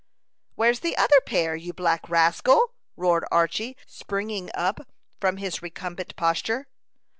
"Where's the other pair, you black rascal?" roared Archy, springing up from his recumbent posture.